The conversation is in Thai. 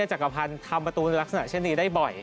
จักรพรรภัณฑ์ทำประตูละสะหนักเช่นนี้ได้บ่อย